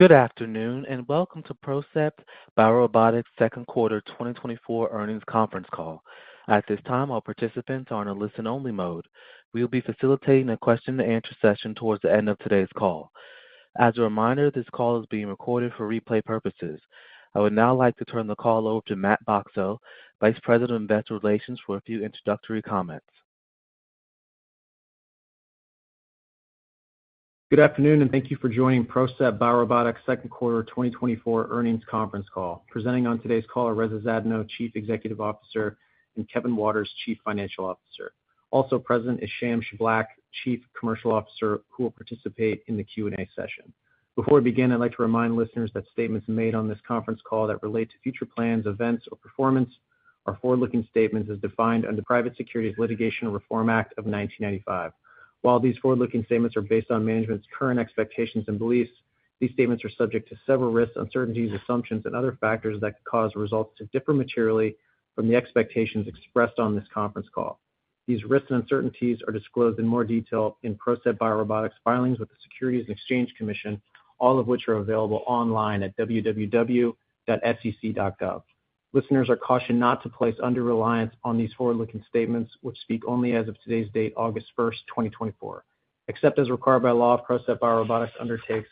Good afternoon and welcome to PROCEPT BioRobotics' second quarter 2024 earnings conference call. At this time, all participants are in a listen-only mode. We will be facilitating a question-and-answer session towards the end of today's call. As a reminder, this call is being recorded for replay purposes. I would now like to turn the call over to Matt Bacso, Vice President of Investor Relations, for a few introductory comments. Good afternoon and thank you for joining PROCEPT BioRobotics' second quarter 2024 earnings conference call. Presenting on today's call are Reza Zadno, Chief Executive Officer, and Kevin Waters, Chief Financial Officer. Also present is Sham Shiblaq, Chief Commercial Officer, who will participate in the Q&A session. Before we begin, I'd like to remind listeners that statements made on this conference call that relate to future plans, events, or performance are forward-looking statements as defined under the Private Securities Litigation Reform Act of 1995. While these forward-looking statements are based on management's current expectations and beliefs, these statements are subject to several risks, uncertainties, assumptions, and other factors that could cause results to differ materially from the expectations expressed on this conference call. These risks and uncertainties are disclosed in more detail in PROCEPT BioRobotics' filings with the Securities and Exchange Commission, all of which are available online at www.sec.gov. Listeners are cautioned not to place under reliance on these forward-looking statements, which speak only as of today's date, August 1, 2024. Except as required by law, PROCEPT BioRobotics undertakes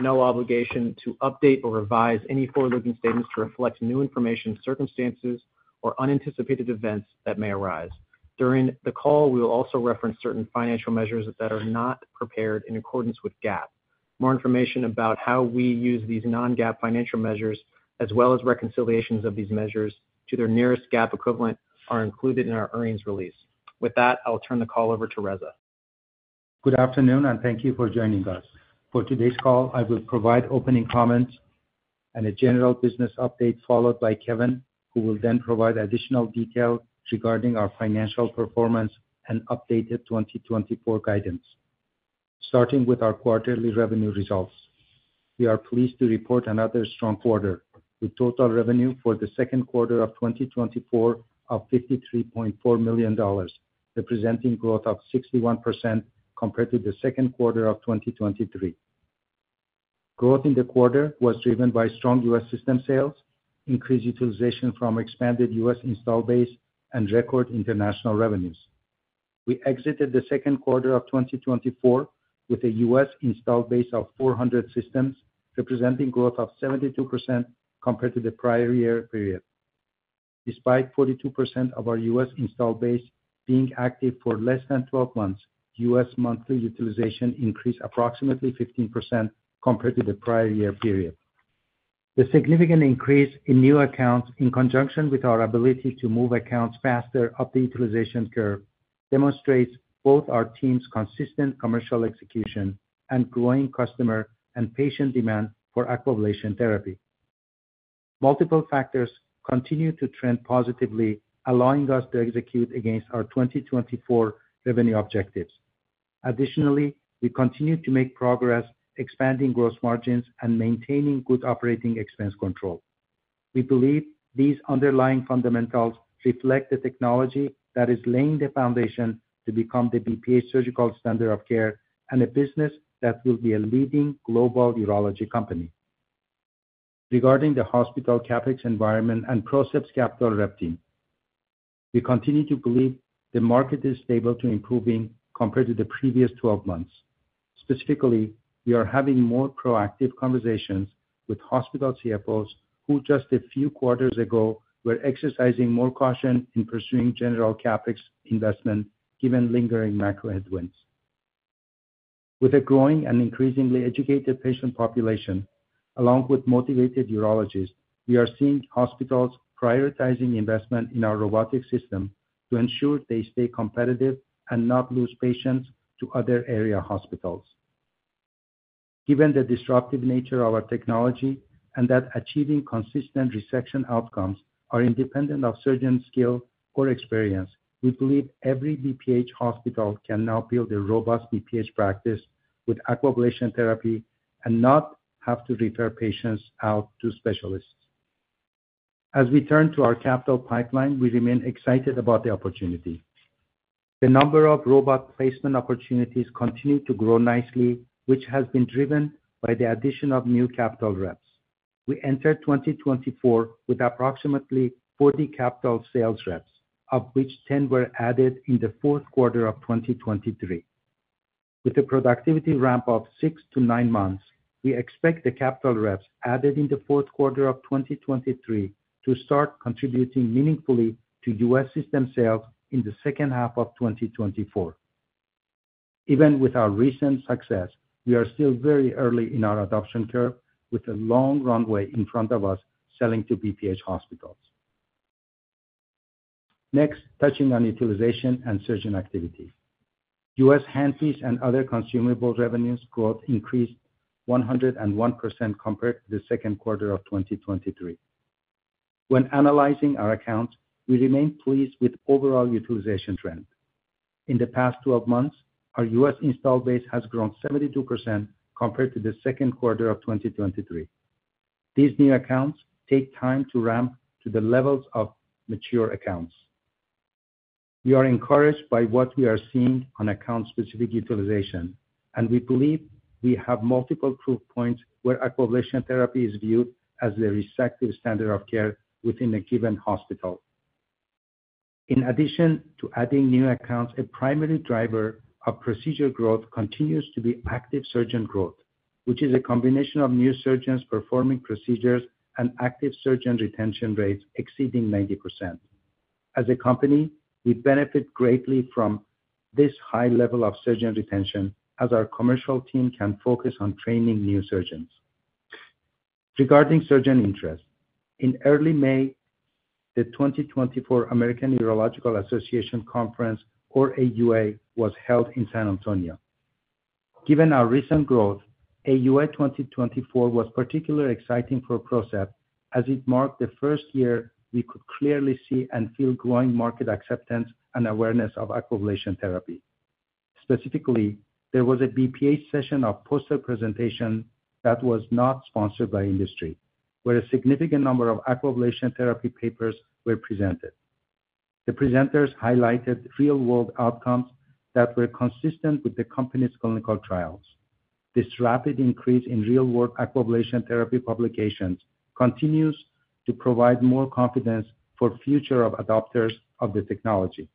no obligation to update or revise any forward-looking statements to reflect new information, circumstances, or unanticipated events that may arise. During the call, we will also reference certain financial measures that are not prepared in accordance with GAAP. More information about how we use these non-GAAP financial measures, as well as reconciliations of these measures to their nearest GAAP equivalent, are included in our earnings release. With that, I will turn the call over to Reza. Good afternoon and thank you for joining us. For today's call, I will provide opening comments and a general business update followed by Kevin, who will then provide additional detail regarding our financial performance and updated 2024 guidance. Starting with our quarterly revenue results, we are pleased to report another strong quarter, with total revenue for the second quarter of 2024 of $53.4 million, representing growth of 61% compared to the second quarter of 2023. Growth in the quarter was driven by strong U.S. system sales, increased utilization from expanded U.S. install base, and record international revenues. We exited the second quarter of 2024 with a U.S. install base of 400 systems, representing growth of 72% compared to the prior year period. Despite 42% of our U.S. install base being active for less than 12 months, U.S. monthly utilization increased approximately 15% compared to the prior year period. The significant increase in new accounts in conjunction with our ability to move accounts faster up the utilization curve demonstrates both our team's consistent commercial execution and growing customer and patient demand for Aquablation therapy. Multiple factors continue to trend positively, allowing us to execute against our 2024 revenue objectives. Additionally, we continue to make progress, expanding gross margins and maintaining good operating expense control. We believe these underlying fundamentals reflect the technology that is laying the foundation to become the BPH Surgical Standard of Care and a business that will be a leading global urology company. Regarding the hospital CapEx environment and PROCEPT's capital rep team, we continue to believe the market is stable to improving compared to the previous 12 months. Specifically, we are having more proactive conversations with hospital CFOs who just a few quarters ago were exercising more caution in pursuing general CapEx investment given lingering macro headwinds. With a growing and increasingly educated patient population, along with motivated urologists, we are seeing hospitals prioritizing investment in our robotic system to ensure they stay competitive and not lose patients to other area hospitals. Given the disruptive nature of our technology and that achieving consistent resection outcomes is independent of surgeon skill or experience, we believe every BPH hospital can now build a robust BPH practice with Aquablation therapy and not have to refer patients out to specialists. As we turn to our capital pipeline, we remain excited about the opportunity. The number of robot placement opportunities continues to grow nicely, which has been driven by the addition of new capital reps. We entered 2024 with approximately 40 capital sales reps, of which 10 were added in the fourth quarter of 2023. With a productivity ramp of 6-9 months, we expect the capital reps added in the fourth quarter of 2023 to start contributing meaningfully to U.S. system sales in the second half of 2024. Even with our recent success, we are still very early in our adoption curve, with a long runway in front of us selling to BPH hospitals. Next, touching on utilization and surgeon activity, U.S. handpiece fees and other consumables revenues growth increased 101% compared to the second quarter of 2023. When analyzing our accounts, we remain pleased with the overall utilization trend. In the past 12 months, our U.S. install base has grown 72% compared to the second quarter of 2023. These new accounts take time to ramp to the levels of mature accounts. We are encouraged by what we are seeing on account-specific utilization, and we believe we have multiple proof points where Aquablation therapy is viewed as the resective standard of care within a given hospital. In addition to adding new accounts, a primary driver of procedure growth continues to be active surgeon growth, which is a combination of new surgeons performing procedures and active surgeon retention rates exceeding 90%. As a company, we benefit greatly from this high level of surgeon retention, as our commercial team can focus on training new surgeons. Regarding surgeon interest, in early May, the 2024 American Urological Association Conference, or AUA, was held in San Antonio. Given our recent growth, AUA 2024 was particularly exciting for PROCEPT, as it marked the first year we could clearly see and feel growing market acceptance and awareness of Aquablation therapy. Specifically, there was a BPH session of poster presentation that was not sponsored by industry, where a significant number of Aquablation therapy papers were presented. The presenters highlighted real-world outcomes that were consistent with the company's clinical trials. This rapid increase in real-world Aquablation therapy publications continues to provide more confidence for future adopters of the technology.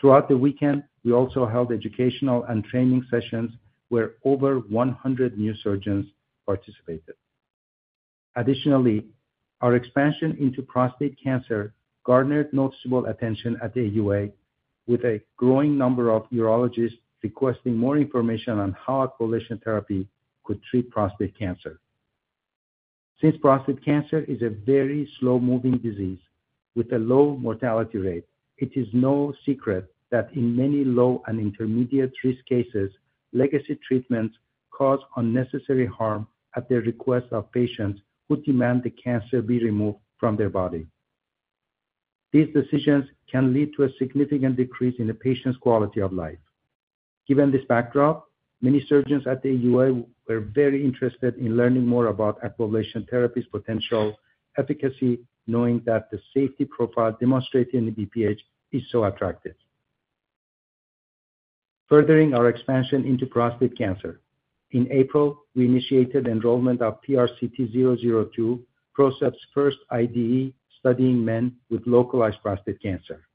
Throughout the weekend, we also held educational and training sessions where over 100 new surgeons participated. Additionally, our expansion into prostate cancer garnered noticeable attention at the AUA, with a growing number of urologists requesting more information on how Aquablation therapy could treat prostate cancer. Since prostate cancer is a very slow-moving disease with a low mortality rate, it is no secret that in many low and intermediate risk cases, legacy treatments cause unnecessary harm at the request of patients who demand the cancer be removed from their body. These decisions can lead to a significant decrease in a patient's quality of life. Given this backdrop, many surgeons at the AUA were very interested in learning more about Aquablation therapy's potential efficacy, knowing that the safety profile demonstrated in the BPH is so attractive. Furthering our expansion into prostate cancer, in April, we initiated enrollment of PRCT-002, PROCEPT's first IDE studying men with localized prostate cancer.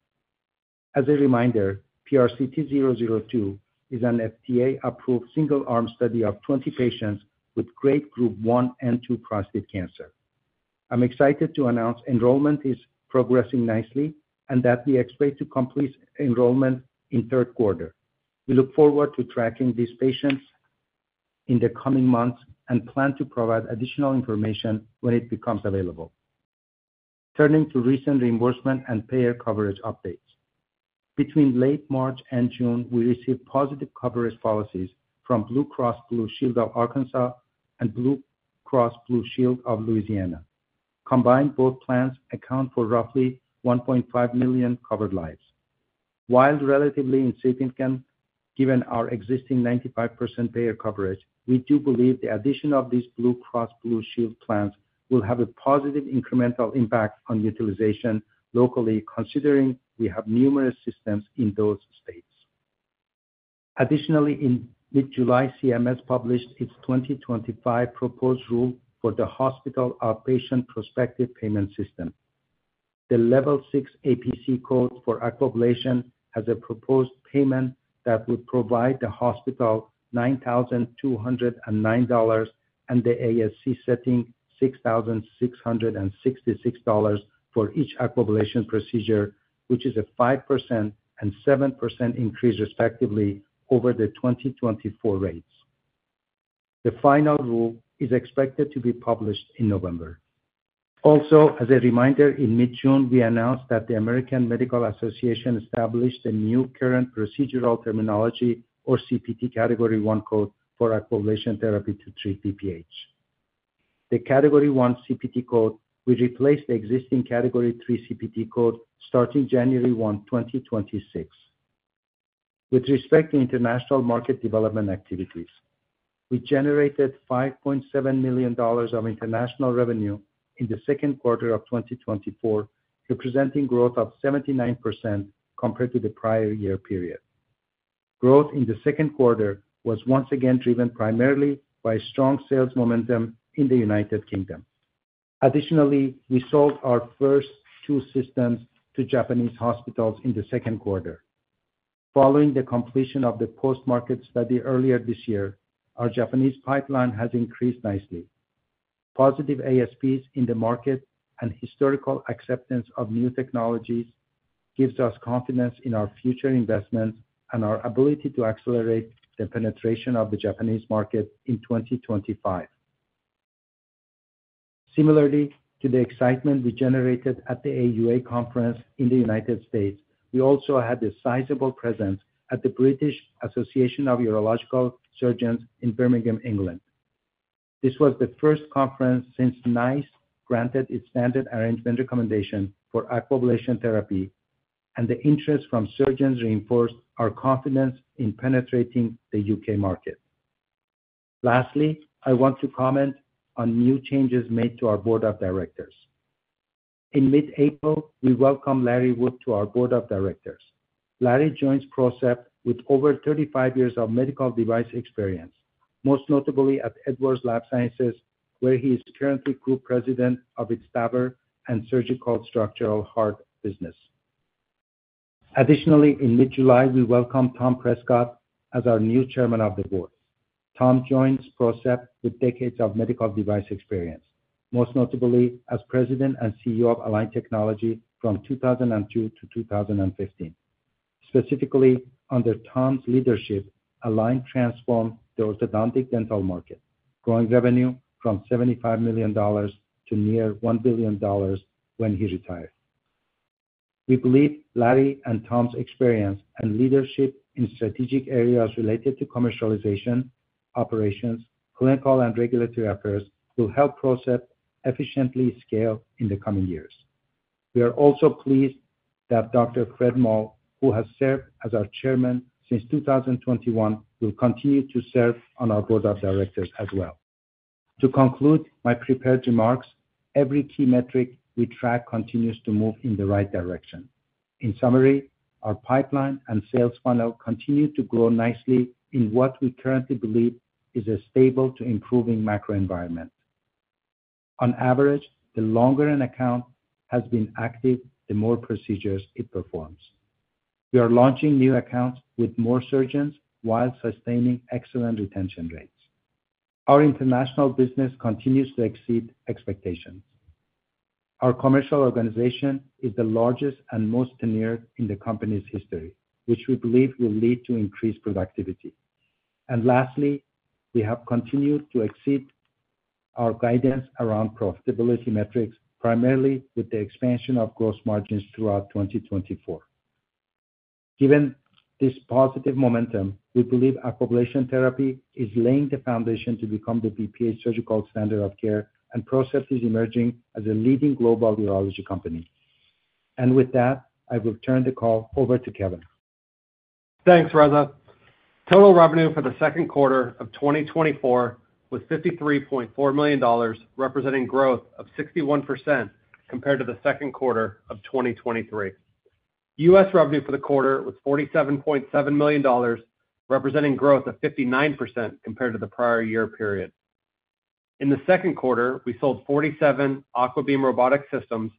As a reminder, PRCT-002 is an FDA-approved single-arm study of 20 patients with Grade Group one and two prostate cancer. I'm excited to announce enrollment is progressing nicely and that we expect to complete enrollment in the third quarter. We look forward to tracking these patients in the coming months and plan to provide additional information when it becomes available. Turning to recent reimbursement and payer coverage updates, between late March and June, we received positive coverage policies from Blue Cross Blue Shield of Arkansas and Blue Cross Blue Shield of Louisiana. Combined, both plans account for roughly 1.5 million covered lives. While relatively insignificant given our existing 95% payer coverage, we do believe the addition of these Blue Cross Blue Shield plans will have a positive incremental impact on utilization locally, considering we have numerous systems in those states. Additionally, in mid-July, CMS published its 2025 proposed rule for the hospital outpatient prospective payment system. The level 6 APC code for Aquablation has a proposed payment that would provide the hospital $9,209 and the ASC setting $6,666 for each Aquablation procedure, which is a 5% and 7% increase respectively over the 2024 rates. The final rule is expected to be published in November. Also, as a reminder, in mid-June, we announced that the American Medical Association established a new current procedural terminology, or CPT Category 1 code for Aquablation therapy to treat BPH. The Category 1 CPT code will replace the existing Category 3 CPT code starting January 1, 2026. With respect to international market development activities, we generated $5.7 million of international revenue in the second quarter of 2024, representing growth of 79% compared to the prior year period. Growth in the second quarter was once again driven primarily by strong sales momentum in the United Kingdom. Additionally, we sold our first two systems to Japanese hospitals in the second quarter. Following the completion of the post-market study earlier this year, our Japanese pipeline has increased nicely. Positive ASPs in the market and historical acceptance of new technologies give us confidence in our future investments and our ability to accelerate the penetration of the Japanese market in 2025. Similarly to the excitement we generated at the AUA conference in the United States, we also had a sizable presence at the British Association of Urological Surgeons in Birmingham, England. This was the first conference since NICE granted its standard arrangement recommendation for Aquablation therapy, and the interest from surgeons reinforced our confidence in penetrating the U.K. market. Lastly, I want to comment on new changes made to our Board of Directors. In mid-April, we welcomed Larry Wood to our Board of Directors. Larry joins PROCEPT with over 35 years of medical device experience, most notably at Edwards Lifesciences, where he is currently Group President of its TAVR and Surgical Structural Heart business. Additionally, in mid-July, we welcomed Tom Prescott as our new Chairman of the Board. Tom joins PROCEPT with decades of medical device experience, most notably as President and CEO of Align Technology from 2002 to 2015. Specifically, under Tom's leadership, Align transformed the orthodontic dental market, growing revenue from $75 million to near $1 billion when he retired. We believe Larry and Tom's experience and leadership in strategic areas related to commercialization, operations, clinical, and regulatory efforts will help PROCEPT efficiently scale in the coming years. We are also pleased that Dr. Fred Moll, who has served as our Chairman since 2021, will continue to serve on our Board of Directors as well. To conclude my prepared remarks, every key metric we track continues to move in the right direction. In summary, our pipeline and sales funnel continue to grow nicely in what we currently believe is a stable to improving macro environment. On average, the longer an account has been active, the more procedures it performs. We are launching new accounts with more surgeons while sustaining excellent retention rates. Our international business continues to exceed expectations. Our commercial organization is the largest and most tenured in the company's history, which we believe will lead to increased productivity. And lastly, we have continued to exceed our guidance around profitability metrics, primarily with the expansion of gross margins throughout 2024. Given this positive momentum, we believe Aquablation therapy is laying the foundation to become the BPH surgical standard of care, and PROCEPT is emerging as a leading global urology company. And with that, I will turn the call over to Kevin. Thanks, Reza. Total revenue for the second quarter of 2024 was $53.4 million, representing growth of 61% compared to the second quarter of 2023. U.S. revenue for the quarter was $47.7 million, representing growth of 59% compared to the prior year period. In the second quarter, we sold 47 AquaBeam robotic systems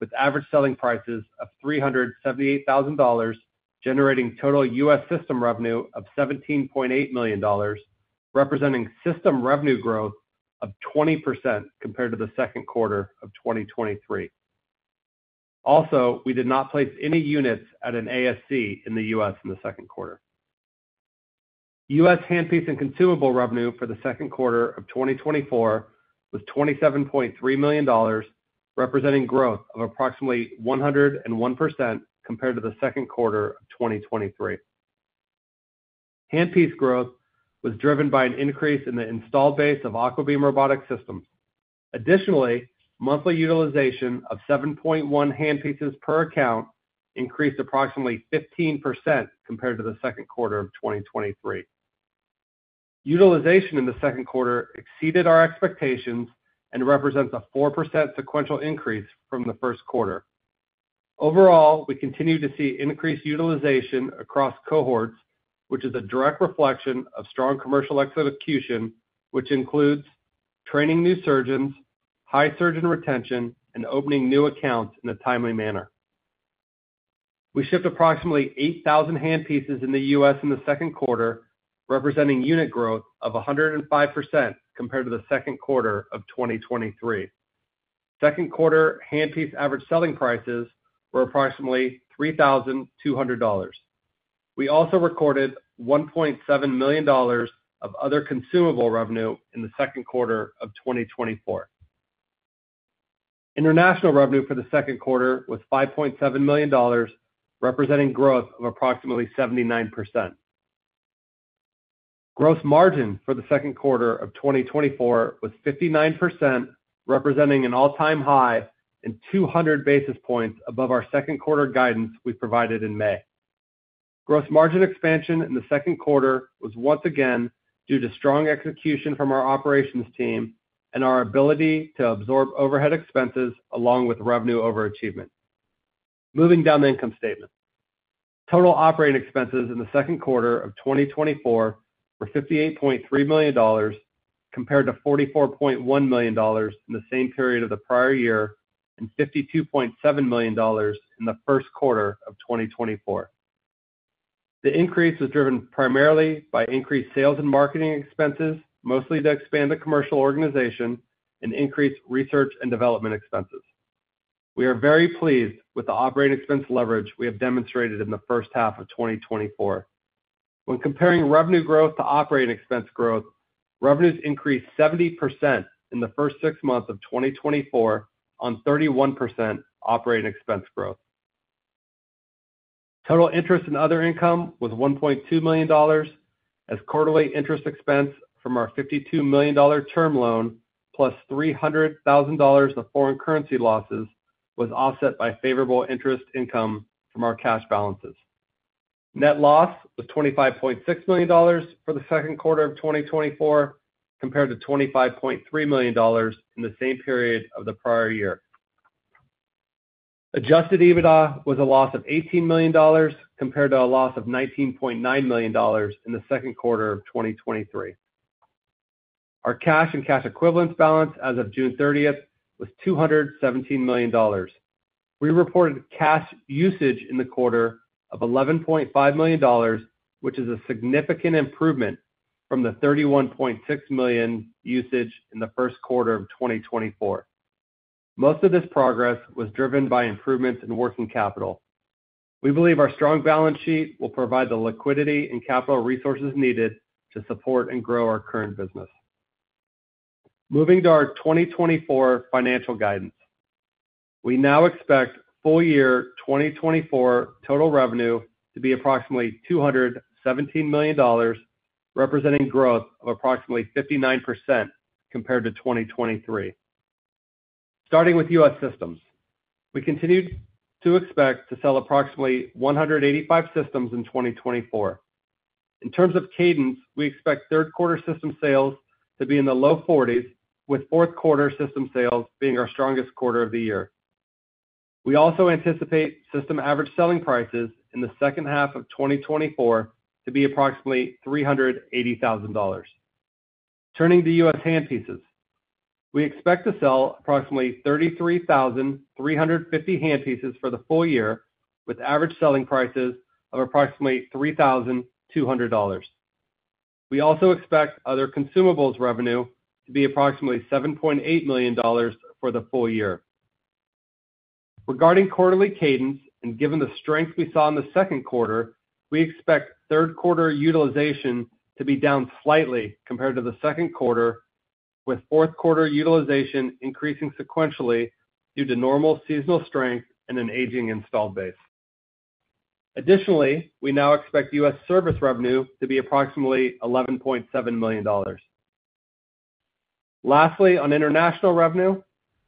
with average selling prices of $378,000, generating total U.S. system revenue of $17.8 million, representing system revenue growth of 20% compared to the second quarter of 2023. Also, we did not place any units at an ASC in the U.S. in the second quarter. U.S. handpieces and consumable revenue for the second quarter of 2024 was $27.3 million, representing growth of approximately 101% compared to the second quarter of 2023. Handpiece growth was driven by an increase in the install base of AquaBeam robotic systems. Additionally, monthly utilization of 7.1 hand pieces per account increased approximately 15% compared to the second quarter of 2023. Utilization in the second quarter exceeded our expectations and represents a 4% sequential increase from the first quarter. Overall, we continue to see increased utilization across cohorts, which is a direct reflection of strong commercial execution, which includes training new surgeons, high surgeon retention, and opening new accounts in a timely manner. We shipped approximately 8,000 hand pieces in the U.S. in the second quarter, representing unit growth of 105% compared to the second quarter of 2023. Second quarter hand piece average selling prices were approximately $3,200. We also recorded $1.7 million of other consumable revenue in the second quarter of 2024. International revenue for the second quarter was $5.7 million, representing growth of approximately 79%. Gross margin for the second quarter of 2024 was 59%, representing an all-time high and 200 basis points above our second quarter guidance we provided in May. Gross margin expansion in the second quarter was once again due to strong execution from our operations team and our ability to absorb overhead expenses along with revenue overachievement. Moving down the income statement, total operating expenses in the second quarter of 2024 were $58.3 million compared to $44.1 million in the same period of the prior year and $52.7 million in the first quarter of 2024. The increase was driven primarily by increased sales and marketing expenses, mostly to expand the commercial organization and increase research and development expenses. We are very pleased with the operating expense leverage we have demonstrated in the first half of 2024. When comparing revenue growth to operating expense growth, revenues increased 70% in the first six months of 2024 on 31% operating expense growth. Total interest and other income was $1.2 million, as quarterly interest expense from our $52 million term loan plus $300,000 of foreign currency losses was offset by favorable interest income from our cash balances. Net loss was $25.6 million for the second quarter of 2024 compared to $25.3 million in the same period of the prior year. Adjusted EBITDA was a loss of $18 million compared to a loss of $19.9 million in the second quarter of 2023. Our cash and cash equivalents balance as of June 30 was $217 million. We reported cash usage in the quarter of $11.5 million, which is a significant improvement from the $31.6 million usage in the first quarter of 2024. Most of this progress was driven by improvements in working capital. We believe our strong balance sheet will provide the liquidity and capital resources needed to support and grow our current business. Moving to our 2024 financial guidance, we now expect full year 2024 total revenue to be approximately $217 million, representing growth of approximately 59% compared to 2023. Starting with U.S. systems, we continue to expect to sell approximately 185 systems in 2024. In terms of cadence, we expect third quarter system sales to be in the low 40s, with fourth quarter system sales being our strongest quarter of the year. We also anticipate system average selling prices in the second half of 2024 to be approximately $380,000. Turning to U.S. hand pieces, we expect to sell approximately 33,350 hand pieces for the full year, with average selling prices of approximately $3,200. We also expect other consumables revenue to be approximately $7.8 million for the full year. Regarding quarterly cadence, and given the strength we saw in the second quarter, we expect third quarter utilization to be down slightly compared to the second quarter, with fourth quarter utilization increasing sequentially due to normal seasonal strength and an aging installed base. Additionally, we now expect U.S. service revenue to be approximately $11.7 million. Lastly, on international revenue,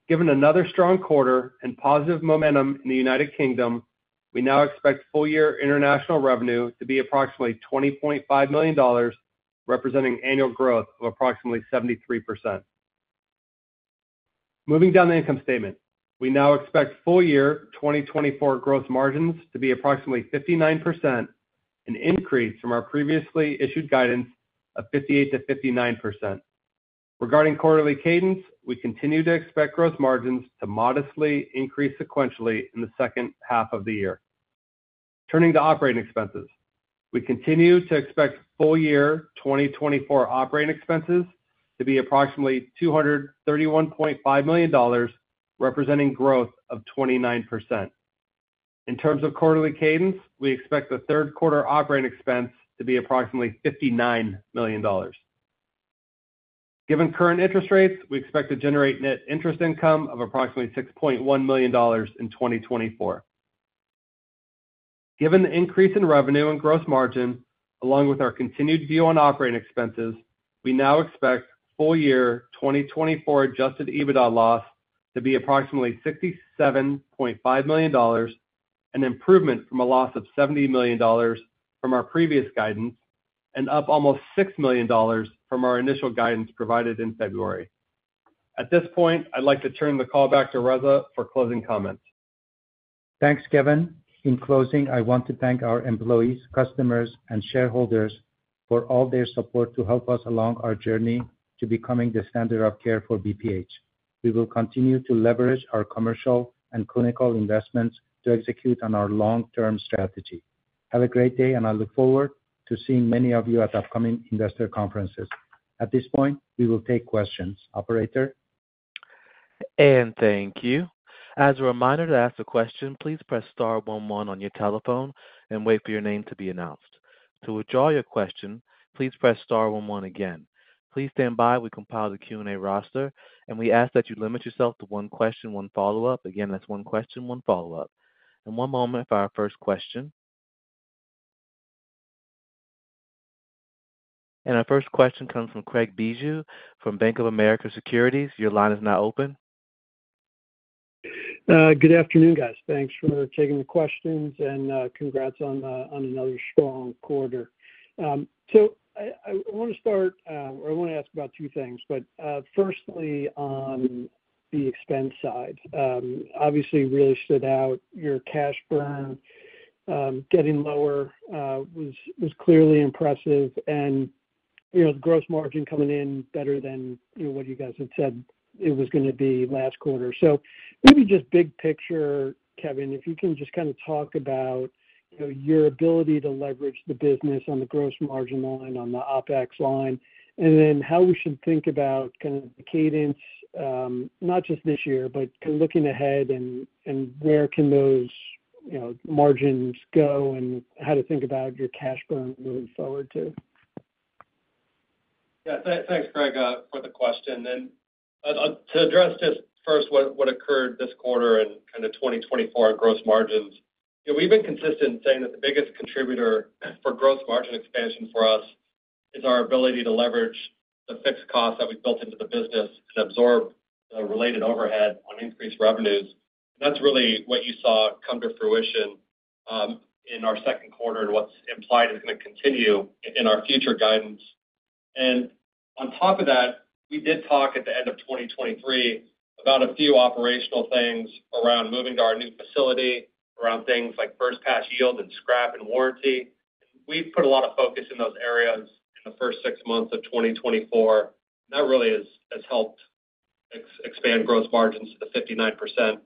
given another strong quarter and positive momentum in the United Kingdom, we now expect full year international revenue to be approximately $20.5 million, representing annual growth of approximately 73%. Moving down the income statement, we now expect full year 2024 gross margins to be approximately 59%, an increase from our previously issued guidance of 58%-59%. Regarding quarterly cadence, we continue to expect gross margins to modestly increase sequentially in the second half of the year. Turning to operating expenses, we continue to expect full year 2024 operating expenses to be approximately $231.5 million, representing growth of 29%. In terms of quarterly cadence, we expect the third quarter operating expense to be approximately $59 million. Given current interest rates, we expect to generate net interest income of approximately $6.1 million in 2024. Given the increase in revenue and gross margin, along with our continued view on operating expenses, we now expect full year 2024 adjusted EBITDA loss to be approximately $67.5 million, an improvement from a loss of $70 million from our previous guidance, and up almost $6 million from our initial guidance provided in February. At this point, I'd like to turn the call back to Reza for closing comments. Thanks, Kevin. In closing, I want to thank our employees, customers, and shareholders for all their support to help us along our journey to becoming the standard of care for BPH. We will continue to leverage our commercial and clinical investments to execute on our long-term strategy. Have a great day, and I look forward to seeing many of you at upcoming investor conferences. At this point, we will take questions. Operator. And thank you. As a reminder to ask a question, please press star 11 on your telephone and wait for your name to be announced. To withdraw your question, please press star 11 again. Please stand by. We compile the Q&A roster, and we ask that you limit yourself to one question, one follow-up. Again, that's one question, one follow-up. And one moment for our first question. And our first question comes from Craig Bijou from Bank of America Securities. Your line is now open. Good afternoon, guys. Thanks for taking the questions and congrats on another strong quarter. So I want to start, or I want to ask about two things, but firstly, on the expense side, obviously really stood out your cash burn getting lower was clearly impressive. And the gross margin coming in better than what you guys had said it was going to be last quarter. So maybe just big picture, Kevin, if you can just kind of talk about your ability to leverage the business on the gross margin line, on the OPEX line, and then how we should think about kind of the cadence, not just this year, but kind of looking ahead and where can those margins go and how to think about your cash burn moving forward too. Yeah. Thanks, Craig, for the question. To address just first what occurred this quarter and kind of 2024 gross margins, we've been consistent in saying that the biggest contributor for gross margin expansion for us is our ability to leverage the fixed costs that we've built into the business and absorb the related overhead on increased revenues. That's really what you saw come to fruition in our second quarter and what's implied is going to continue in our future guidance. On top of that, we did talk at the end of 2023 about a few operational things around moving to our new facility, around things like first-pass yield and scrap and warranty. We've put a lot of focus in those areas in the first six months of 2024. That really has helped expand gross margins to the 59%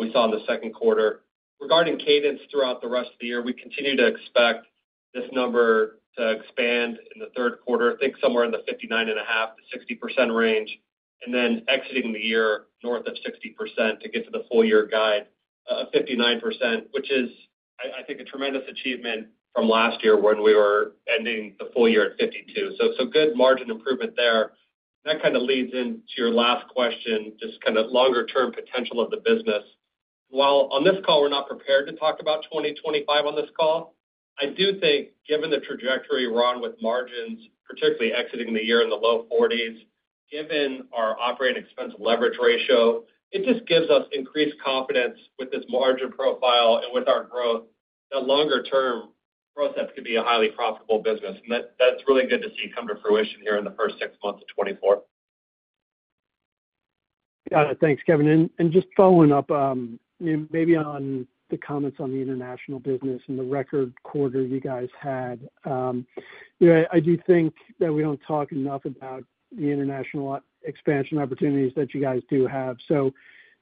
we saw in the second quarter. Regarding cadence throughout the rest of the year, we continue to expect this number to expand in the third quarter, I think somewhere in the 59.5%-60% range, and then exiting the year north of 60% to get to the full year guide of 59%, which is, I think, a tremendous achievement from last year when we were ending the full year at 52%. So good margin improvement there. That kind of leads into your last question, just kind of longer-term potential of the business. While on this call, we're not prepared to talk about 2025 on this call, I do think, given the trajectory we're on with margins, particularly exiting the year in the low 40s, given our operating expense leverage ratio, it just gives us increased confidence with this margin profile and with our growth that longer-term growth could be a highly profitable business. And that's really good to see come to fruition here in the first six months of 2024. Yeah. Thanks, Kevin. And just following up, maybe on the comments on the international business and the record quarter you guys had, I do think that we don't talk enough about the international expansion opportunities that you guys do have. So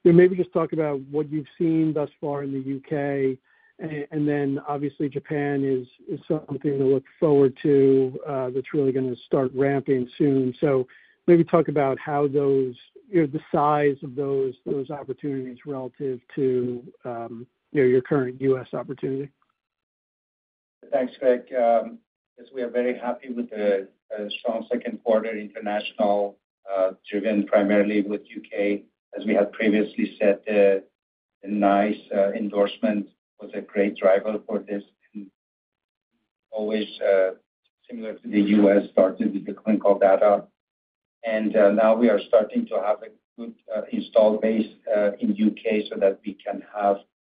maybe just talk about what you've seen thus far in the U.K. And then obviously, Japan is something to look forward to that's really going to start ramping soon. So maybe talk about how the size of those opportunities relative to your current U.S. opportunity. Thanks, Craig. Yes, we are very happy with the strong second quarter international driven primarily with U.K. As we have previously said, the NICE endorsement was a great driver for this. Always similar to the U.S., started with the clinical data. Now we are starting to have a good install base in U.K. so that we can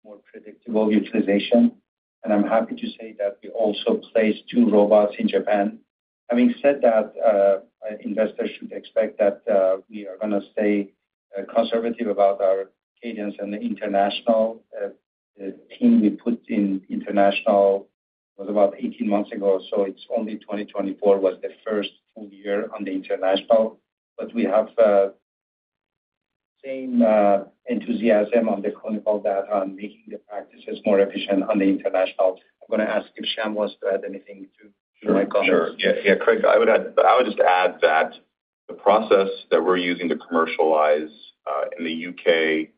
have more predictable utilization. I'm happy to say that we also placed 2 robots in Japan. Having said that, investors should expect that we are going to stay conservative about our cadence and the international team we put in international was about 18 months ago. So it's only 2024 was the first full year on the international. But we have the same enthusiasm on the clinical data and making the practices more efficient on the international. I'm going to ask if Sham wants to add anything to my comments. Sure. Yeah, Craig, I would just add that the process that we're using to commercialize in the U.K.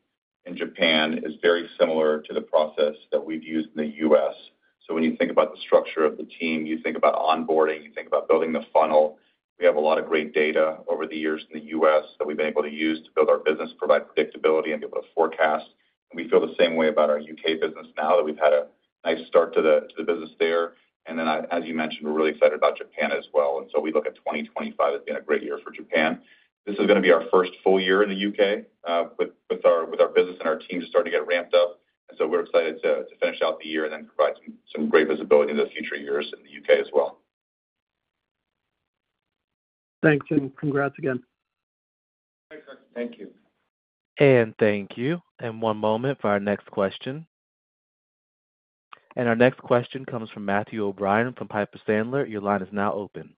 and Japan is very similar to the process that we've used in the U.S. So when you think about the structure of the team, you think about onboarding, you think about building the funnel. We have a lot of great data over the years in the U.S. that we've been able to use to build our business, provide predictability, and be able to forecast. And we feel the same way about our U.K. business now that we've had a nice start to the business there. And then, as you mentioned, we're really excited about Japan as well. And so we look at 2025 as being a great year for Japan. This is going to be our first full year in the U.K. with our business and our team just starting to get ramped up. And so we're excited to finish out the year and then provide some great visibility in the future years in the U.K. as well. Thanks. And congrats again. Thanks, Craig. Thank you. And thank you. One moment for our next question. Our next question comes from Matthew O'Brien from Piper Sandler. Your line is now open.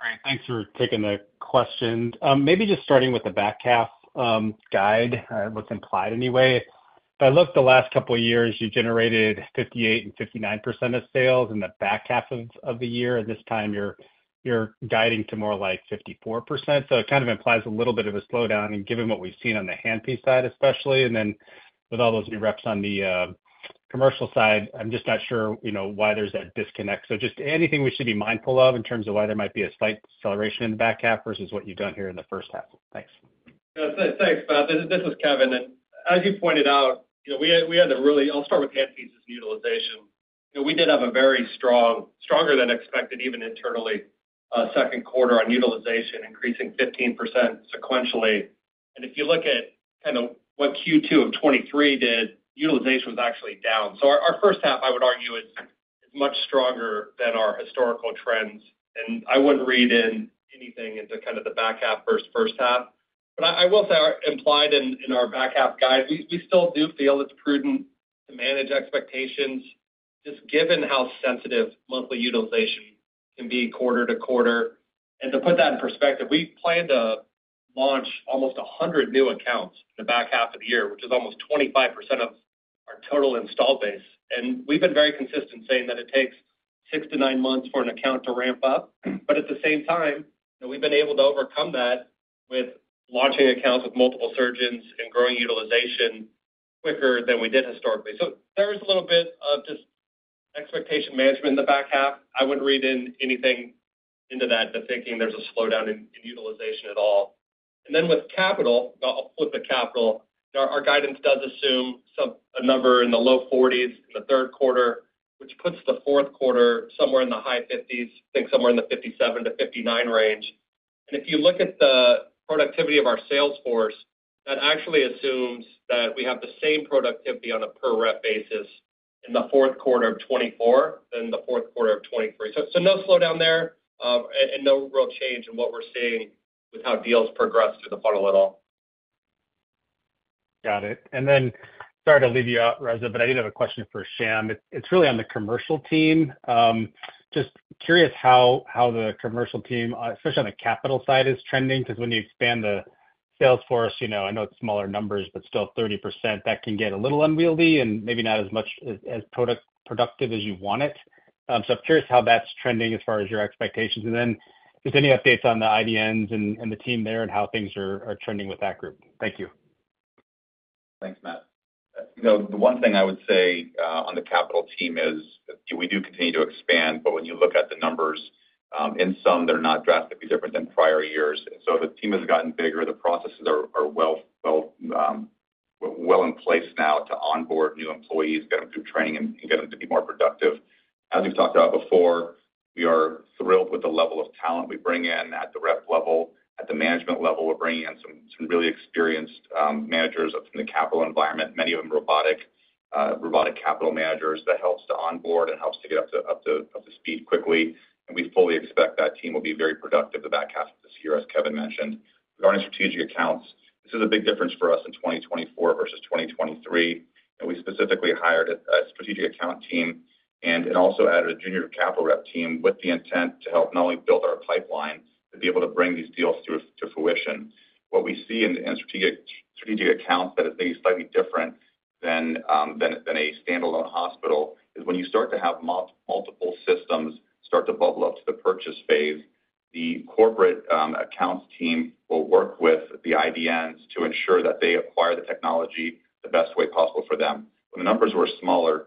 Great. Thanks for taking the question. Maybe just starting with the back half guide, what's implied anyway. If I look the last couple of years, you generated 58% and 59% of sales in the back half of the year. This time, you're guiding to more like 54%. So it kind of implies a little bit of a slowdown given what we've seen on the handpiece side, especially. Then with all those new reps on the commercial side, I'm just not sure why there's that disconnect. So just anything we should be mindful of in terms of why there might be a slight acceleration in the back half versus what you've done here in the first half. Thanks. Thanks, Matt. This is Kevin. As you pointed out, we had to really. I'll start with handpieces and utilization. We did have a very strong, stronger than expected, even internally, second quarter on utilization, increasing 15% sequentially. If you look at kind of what Q2 of 2023 did, utilization was actually down. So our first half, I would argue, is much stronger than our historical trends. I wouldn't read in anything into kind of the back half versus first half. But I will say implied in our back half guide, we still do feel it's prudent to manage expectations, just given how sensitive monthly utilization can be quarter to quarter. To put that in perspective, we plan to launch almost 100 new accounts in the back half of the year, which is almost 25% of our total install base. We've been very consistent in saying that it takes 6-9 months for an account to ramp up. But at the same time, we've been able to overcome that with launching accounts with multiple surgeons and growing utilization quicker than we did historically. So there's a little bit of just expectation management in the back half. I wouldn't read anything into that, thinking there's a slowdown in utilization at all. And then with capital, I'll flip the capital. Our guidance does assume a number in the low 40s in the third quarter, which puts the fourth quarter somewhere in the high 50s, I think somewhere in the 57-59 range. And if you look at the productivity of our sales force, that actually assumes that we have the same productivity on a per-rep basis in the fourth quarter of 2024 than the fourth quarter of 2023. So no slowdown there and no real change in what we're seeing with how deals progress through the funnel at all. Got it. And then sorry to leave you out, Reza, but I did have a question for Sham. It's really on the commercial team. Just curious how the commercial team, especially on the capital side, is trending. Because when you expand the sales force, I know it's smaller numbers, but still 30%, that can get a little unwieldy and maybe not as much as productive as you want it. So I'm curious how that's trending as far as your expectations. And then just any updates on the IDNs and the team there and how things are trending with that group. Thank you. Thanks, Matt. The one thing I would say on the capital team is we do continue to expand, but when you look at the numbers in some, they're not drastically different than prior years. So the team has gotten bigger. The processes are well in place now to onboard new employees, get them through training, and get them to be more productive. As we've talked about before, we are thrilled with the level of talent we bring in at the rep level. At the management level, we're bringing in some really experienced managers from the capital environment, many of them robotic capital managers. That helps to onboard and helps to get up to speed quickly. We fully expect that team will be very productive in the back half of this year, as Kevin mentioned. Regarding strategic accounts, this is a big difference for us in 2024 versus 2023. We specifically hired a strategic account team, and it also added a junior capital rep team with the intent to help not only build our pipeline but be able to bring these deals to fruition. What we see in strategic accounts that is maybe slightly different than a standalone hospital is when you start to have multiple systems start to bubble up to the purchase phase, the corporate accounts team will work with the IDNs to ensure that they acquire the technology the best way possible for them. When the numbers were smaller,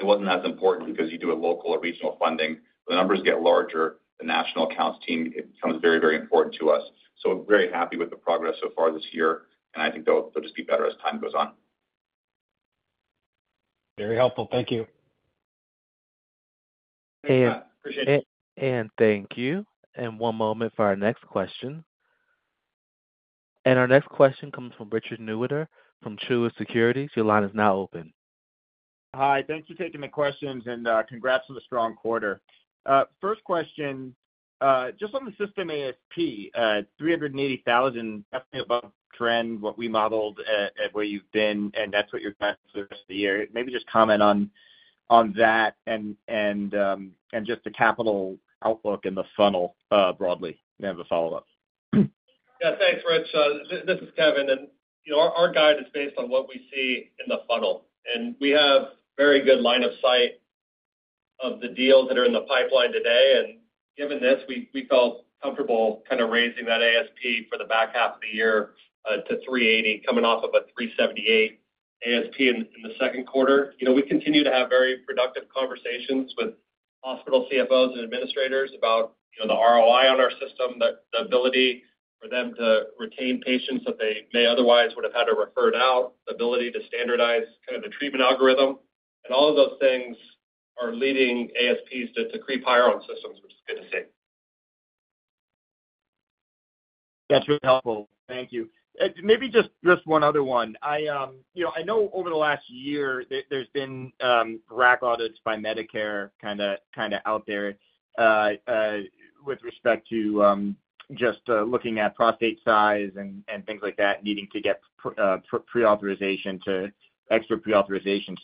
it wasn't as important because you do a local or regional funding. When the numbers get larger, the national accounts team becomes very, very important to us. So we're very happy with the progress so far this year, and I think they'll just be better as time goes on. Very helpful. Thank you. Hey. Appreciate it. And thank you. And one moment for our next question. And our next question comes from Richard Newitter from Truist Securities. Your line is now open. Hi. Thanks for taking the questions and congrats on the strong quarter. First question, just on the system ASP, $380,000, definitely above trend, what we modeled at where you've been, and that's what you're trying to service the year. Maybe just comment on that and just the capital outlook and the funnel broadly as a follow-up. Yeah. Thanks, Rich. This is Kevin. And our guide is based on what we see in the funnel. We have very good line of sight of the deals that are in the pipeline today. Given this, we felt comfortable kind of raising that ASP for the back half of the year to $380, coming off of a $378 ASP in the second quarter. We continue to have very productive conversations with hospital CFOs and administrators about the ROI on our system, the ability for them to retain patients that they may otherwise would have had to refer out, the ability to standardize kind of the treatment algorithm. All of those things are leading ASPs to creep higher on systems, which is good to see. That's really helpful. Thank you. Maybe just one other one. I know over the last year, there's been RAC audits by Medicare kind of out there with respect to just looking at prostate size and things like that, needing to get extra pre-authorization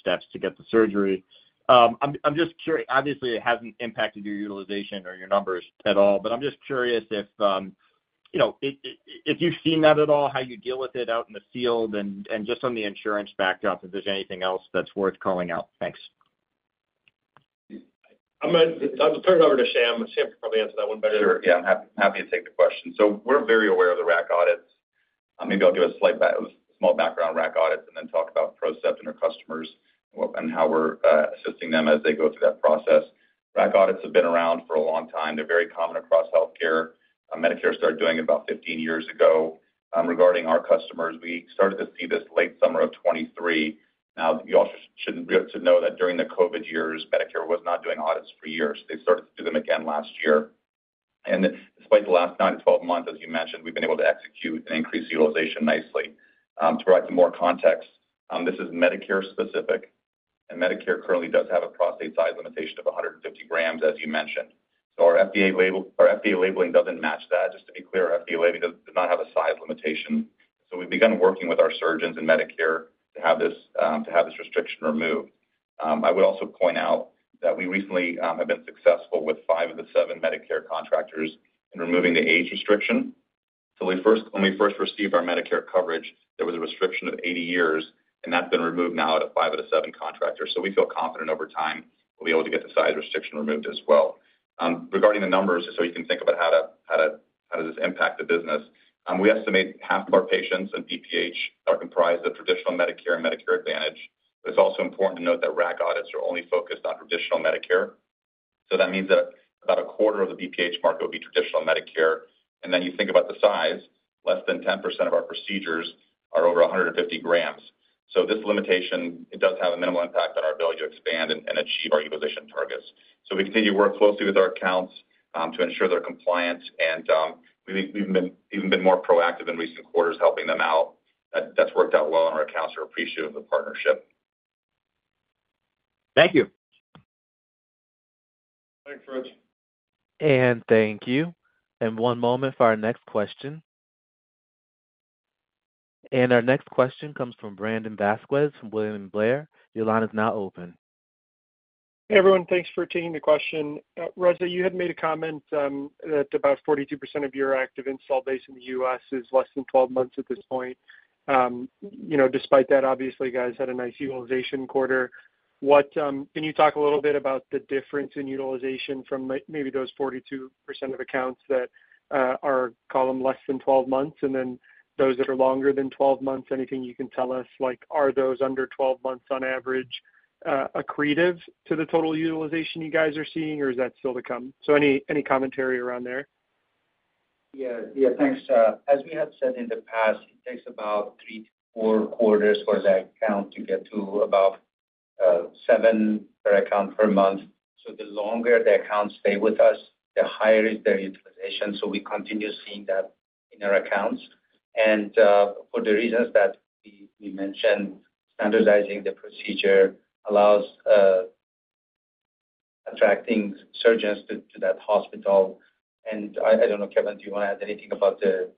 steps to get the surgery. I'm just curious. Obviously, it hasn't impacted your utilization or your numbers at all, but I'm just curious if you've seen that at all, how you deal with it out in the field and just on the insurance backdrop, if there's anything else that's worth calling out. Thanks. I'll turn it over to Sham. Sham can probably answer that one better. Sure. Yeah. I'm happy to take the question. So we're very aware of the RAC audits. Maybe I'll give a small background on RAC audits and then talk about PROCEPT and our customers and how we're assisting them as they go through that process. RAC audits have been around for a long time. They're very common across healthcare. Medicare started doing it about 15 years ago. Regarding our customers, we started to see this late summer of 2023. Now, you all should know that during the COVID years, Medicare was not doing audits for years. They started to do them again last year. Despite the last 9-12 months, as you mentioned, we've been able to execute and increase utilization nicely. To provide some more context, this is Medicare-specific. Medicare currently does have a prostate size limitation of 150 grams, as you mentioned. So our FDA labeling doesn't match that. Just to be clear, our FDA labeling does not have a size limitation. So we've begun working with our surgeons and Medicare to have this restriction removed. I would also point out that we recently have been successful with 5 of the 7 Medicare contractors in removing the age restriction. So when we first received our Medicare coverage, there was a restriction of 80 years, and that's been removed now with 5 of the 7 contractors. So we feel confident over time we'll be able to get the size restriction removed as well. Regarding the numbers, just so you can think about how does this impact the business, we estimate half of our patients with BPH are comprised of traditional Medicare and Medicare Advantage. But it's also important to note that RAC audits are only focused on traditional Medicare. So that means that about a quarter of the BPH market will be traditional Medicare. And then you think about the size, less than 10% of our procedures are over 150 grams. So this limitation, it does have a minimal impact on our ability to expand and achieve our utilization targets. So we continue to work closely with our accounts to ensure their compliance. And we've even been more proactive in recent quarters, helping them out. That's worked out well, and our accounts are appreciative of the partnership. Thank you. Thanks, Rich. And thank you. And one moment for our next question. And our next question comes from Brandon Vazquez from William Blair. Your line is now open. Hey, everyone. Thanks for taking the question. Reza, you had made a comment that about 42% of your active install base in the U.S. is less than 12 months at this point. Despite that, obviously, you guys had a nice utilization quarter. Can you talk a little bit about the difference in utilization from maybe those 42% of accounts that are, call them, less than 12 months? And then those that are longer than 12 months, anything you can tell us, are those under 12 months on average accretive to the total utilization you guys are seeing, or is that still to come? So any commentary around there? Yeah. Yeah. Thanks. As we have said in the past, it takes about 3-4 quarters for the account to get to about 7 per account per month. So the longer the accounts stay with us, the higher is their utilization. So we continue seeing that in our accounts. And for the reasons that we mentioned, standardizing the procedure allows attracting surgeons to that hospital. And I don't know, Kevin, do you want to add anything about the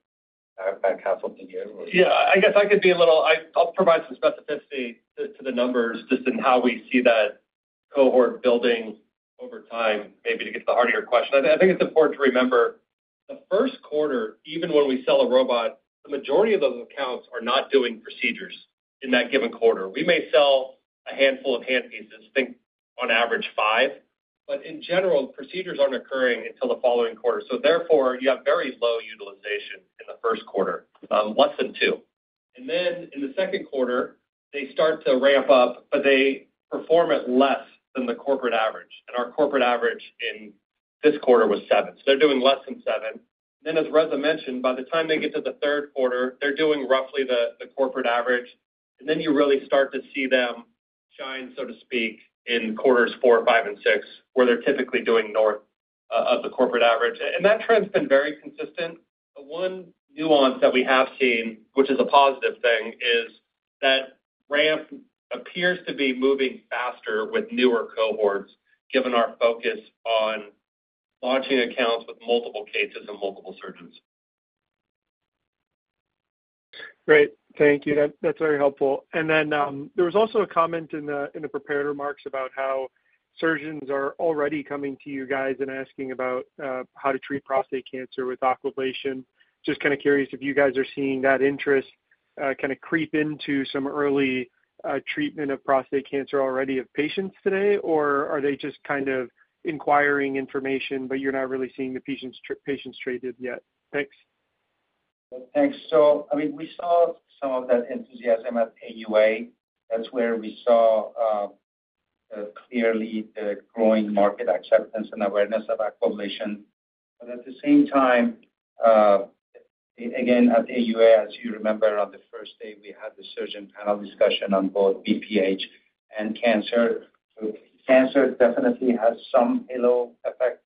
back half of the year? Yeah. I guess I could be a little. I'll provide some specificity to the numbers just in how we see that cohort building over time, maybe to get to the heart of your question. I think it's important to remember the first quarter, even when we sell a robot, the majority of those accounts are not doing procedures in that given quarter. We may sell a handful of handpieces, think on average 5. But in general, procedures aren't occurring until the following quarter. So therefore, you have very low utilization in the first quarter, less than 2. And then in the second quarter, they start to ramp up, but they perform at less than the corporate average. And our corporate average in this quarter was 7. So they're doing less than 7. And then, as Reza mentioned, by the time they get to the 3rd quarter, they're doing roughly the corporate average. And then you really start to see them shine, so to speak, in quarters 4, 5, and 6, where they're typically doing north of the corporate average. And that trend's been very consistent. The one nuance that we have seen, which is a positive thing, is that ramp appears to be moving faster with newer cohorts, given our focus on launching accounts with multiple cases and multiple surgeons. Great. Thank you. That's very helpful. And then there was also a comment in the prepared remarks about how surgeons are already coming to you guys and asking about how to treat prostate cancer with Aquablation. Just kind of curious if you guys are seeing that interest kind of creep into some early treatment of prostate cancer already of patients today, or are they just kind of inquiring information, but you're not really seeing the patients treated yet? Thanks. Thanks. So I mean, we saw some of that enthusiasm at AUA. That's where we saw clearly the growing market acceptance and awareness of Aquablation. But at the same time, again, at AUA, as you remember, on the first day, we had the surgeon panel discussion on both BPH and cancer. So cancer definitely has some halo effect,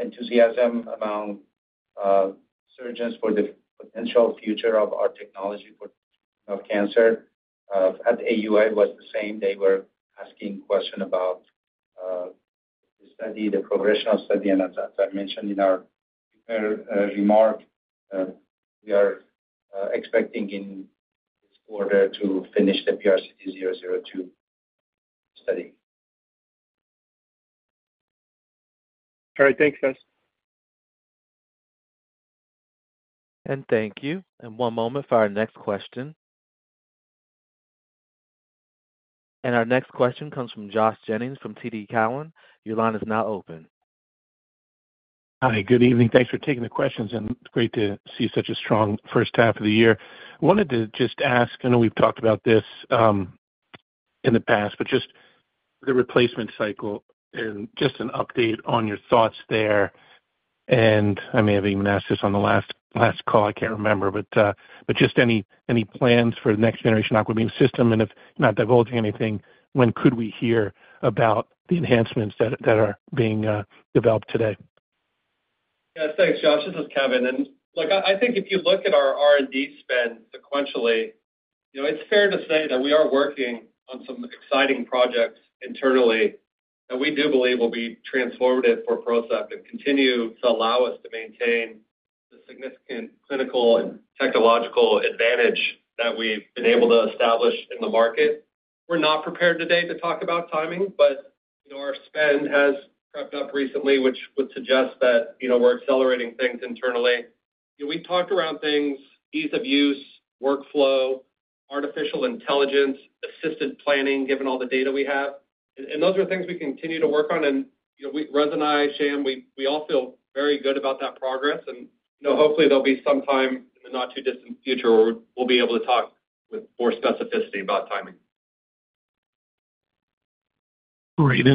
enthusiasm among surgeons for the potential future of our technology for cancer. At AUA, it was the same. They were asking questions about the study, the progression of study. And as I mentioned in our remark, we are expecting in this quarter to finish the PRCT-002 study. All right. Thanks, guys. And thank you. One moment for our next question. Our next question comes from Josh Jennings from TD Cowen. Your line is now open. Hi. Good evening. Thanks for taking the questions. It's great to see such a strong first half of the year. I wanted to just ask, I know we've talked about this in the past, but just the replacement cycle and just an update on your thoughts there. I may have even asked this on the last call. I can't remember. But just any plans for the next generation AquaBeam system. And if not divulging anything, when could we hear about the enhancements that are being developed today? Yeah. Thanks, Josh. This is Kevin. Look, I think if you look at our R&D spend sequentially, it's fair to say that we are working on some exciting projects internally that we do believe will be transformative for PROCEPT and continue to allow us to maintain the significant clinical and technological advantage that we've been able to establish in the market. We're not prepared today to talk about timing, but our spend has crept up recently, which would suggest that we're accelerating things internally. We talked around things: ease of use, workflow, artificial intelligence, assisted planning, given all the data we have. And those are things we continue to work on. And Reza, Sham, we all feel very good about that progress. And hopefully, there'll be some time in the not-too-distant future where we'll be able to talk with more specificity about timing. Great.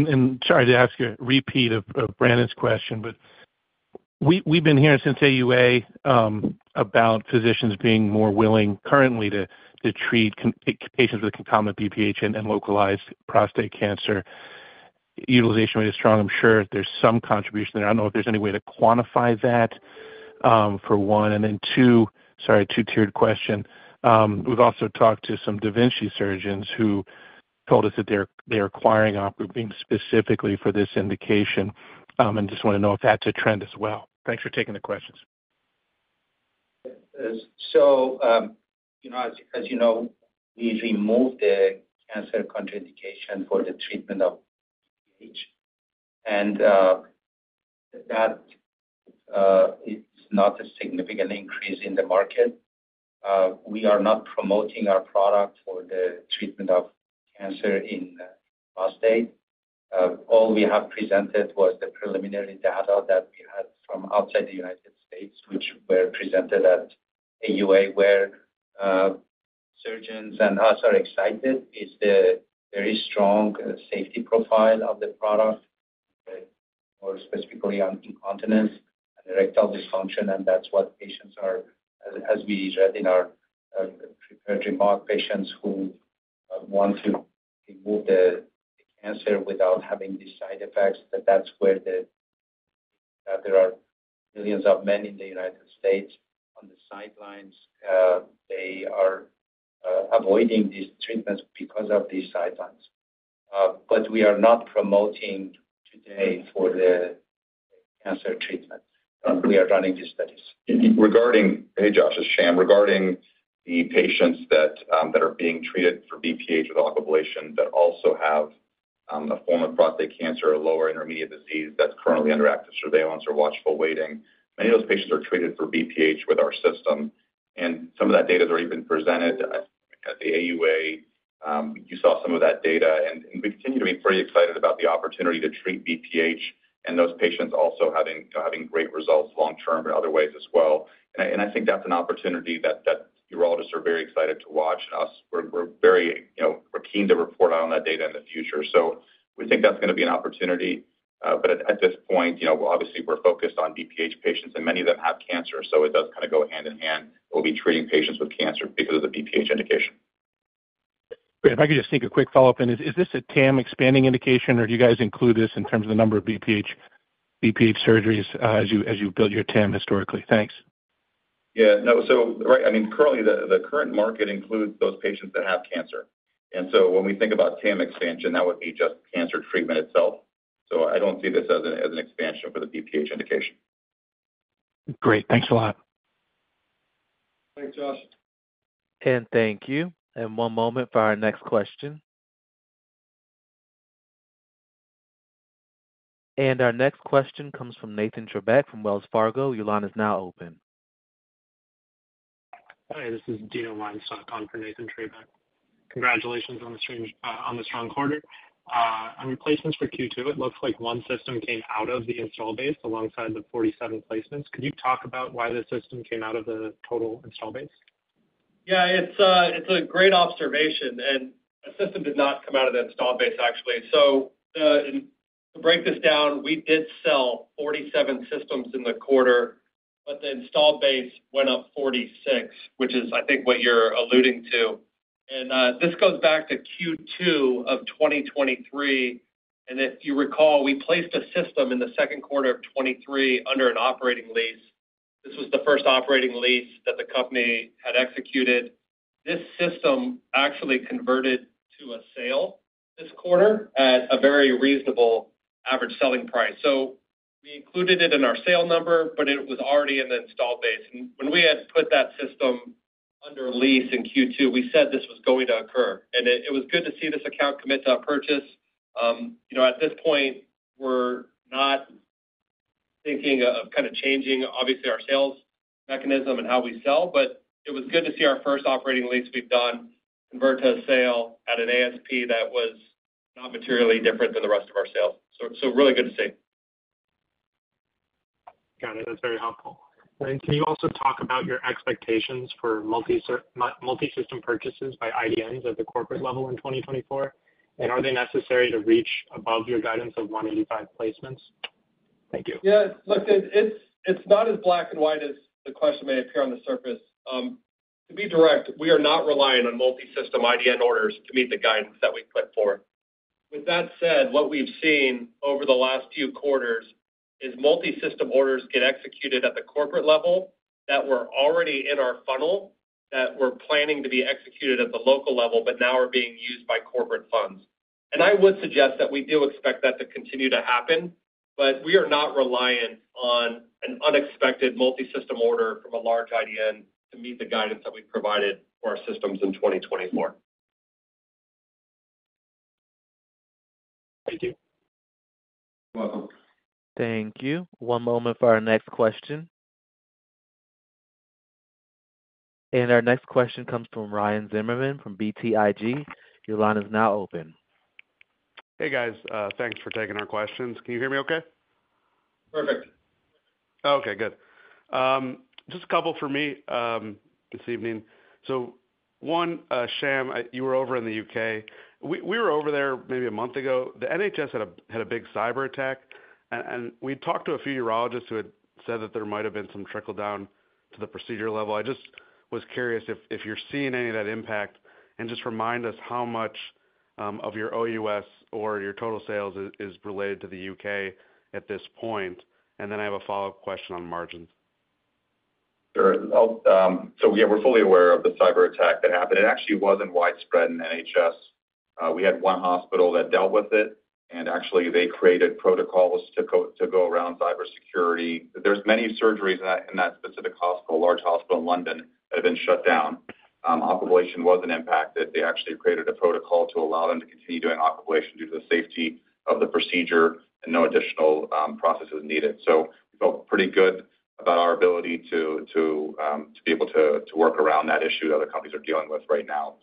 Sorry to ask a repeat of Brandon's question, but we've been hearing since AUA about physicians being more willing currently to treat patients with concomitant BPH and localized prostate cancer. Utilization rate is strong. I'm sure there's some contribution there. I don't know if there's any way to quantify that, for one. And then two, sorry, a two-tiered question. We've also talked to some da Vinci surgeons who told us that they are acquiring Aquablation specifically for this indication and just want to know if that's a trend as well. Thanks for taking the questions. So as you know, we removed the cancer contraindication for the treatment of BPH. And that is not a significant increase in the market. We are not promoting our product for the treatment of cancer in prostate. All we have presented was the preliminary data that we had from outside the United States, which were presented at AUA, where surgeons and us are excited. It's the very strong safety profile of the product, more specifically on incontinence and erectile dysfunction. And that's what patients are, as we read in our prepared remark, patients who want to remove the cancer without having these side effects. That's where there are millions of men in the United States on the sidelines. They are avoiding these treatments because of these side effects. But we are not promoting today for the cancer treatment. We are running these studies. Regarding, hey, Josh, that's Sham, regarding the patients that are being treated for BPH with Aquablation that also have a form of prostate cancer, a lower intermediate disease that's currently under active surveillance or watchful waiting, many of those patients are treated for BPH with our system. Some of that data has already been presented at the AUA. You saw some of that data. We continue to be pretty excited about the opportunity to treat BPH and those patients also having great results long-term in other ways as well. I think that's an opportunity that urologists are very excited to watch. We're keen to report on that data in the future. So we think that's going to be an opportunity. But at this point, obviously, we're focused on BPH patients, and many of them have cancer. So it does kind of go hand in hand. We'll be treating patients with cancer because of the BPH indication. Great. If I could just take a quick follow-up in this, is this a TAM expanding indication, or do you guys include this in terms of the number of BPH surgeries as you build your TAM historically? Thanks. Yeah. No. So right. I mean, currently, the current market includes those patients that have cancer. So when we think about TAM expansion, that would be just cancer treatment itself. So I don't see this as an expansion for the BPH indication. Great. Thanks a lot. Thanks, Josh. Thank you. One moment for our next question. Our next question comes from Nathan Treybeck from Wells Fargo. Your line is now open. Hi. This is Dino Weinstock on for Nathan Treybeck. Congratulations on the strong quarter. On replacements for Q2, it looks like 1 system came out of the install base alongside the 47 placements. Could you talk about why the system came out of the total install base? Yeah. It's a great observation. The system did not come out of the install base, actually. So to break this down, we did sell 47 systems in the quarter, but the install base went up 46, which is, I think, what you're alluding to. And this goes back to Q2 of 2023. And if you recall, we placed a system in the second quarter of 2023 under an operating lease. This was the first operating lease that the company had executed. This system actually converted to a sale this quarter at a very reasonable average selling price. So we included it in our sale number, but it was already in the install base. And when we had put that system under lease in Q2, we said this was going to occur. And it was good to see this account commit to a purchase. At this point, we're not thinking of kind of changing, obviously, our sales mechanism and how we sell. But it was good to see our first operating lease we've done convert to a sale at an ASP that was not materially different than the rest of our sales. So really good to see. Got it. That's very helpful. And can you also talk about your expectations for multi-system purchases by IDNs at the corporate level in 2024? And are they necessary to reach above your guidance of 185 placements? Thank you. Yeah. Look, it's not as black and white as the question may appear on the surface. To be direct, we are not relying on multi-system IDN orders to meet the guidance that we put forth. With that said, what we've seen over the last few quarters is multi-system orders get executed at the corporate level that were already in our funnel, that were planning to be executed at the local level, but now are being used by corporate funds. And I would suggest that we do expect that to continue to happen. But we are not reliant on an unexpected multi-system order from a large IDN to meet the guidance that we provided for our systems in 2024. Thank you. You're welcome. Thank you. One moment for our next question. And our next question comes from Ryan Zimmerman from BTIG. Your line is now open. Hey, guys. Thanks for taking our questions. Can you hear me okay? Perfect. Okay. Good. Just a couple for me this evening. So one, Sham, you were over in the U.K. We were over there maybe a month ago. The NHS had a big cyber attack. We talked to a few urologists who had said that there might have been some trickle-down to the procedure level. I just was curious if you're seeing any of that impact and just remind us how much of your OUS or your total sales is related to the U.K. at this point. Then I have a follow-up question on margins. Sure. Yeah, we're fully aware of the cyber attack that happened. It actually wasn't widespread in NHS. We had one hospital that dealt with it. Actually, they created protocols to go around cybersecurity. There's many surgeries in that specific hospital, a large hospital in London, that have been shut down. Aquablation wasn't impacted. They actually created a protocol to allow them to continue doing Aquablation due to the safety of the procedure and no additional processes needed. So we felt pretty good about our ability to be able to work around that issue that other companies are dealing with right now.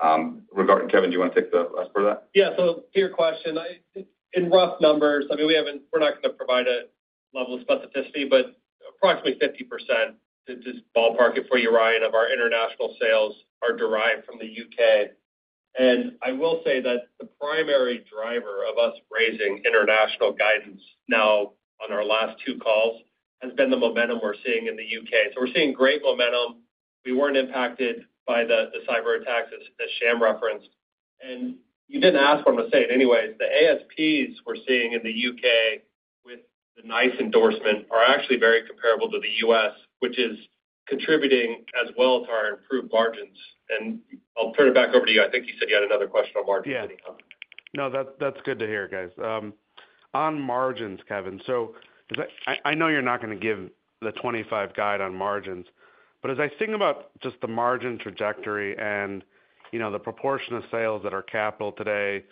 Kevin, do you want to take the last part of that? Yeah. So to your question, in rough numbers, I mean, we're not going to provide a level of specificity, but approximately 50%, to just ballpark it for you, Ryan, of our international sales are derived from the U.K. And I will say that the primary driver of us raising international guidance now on our last two calls has been the momentum we're seeing in the U.K. So we're seeing great momentum. We weren't impacted by the cyber attacks, as Sham referenced. And you didn't ask what I'm going to say. Anyways, the ASPs we're seeing in the U.K. with the NICE endorsement are actually very comparable to the U.S., which is contributing as well to our improved margins. And I'll turn it back over to you. I think you said you had another question on margins anyhow. Yeah. No, that's good to hear, guys. On margins, Kevin, so I know you're not going to give the 25 guide on margins. But as I think about just the margin trajectory and the proportion of sales that are capital today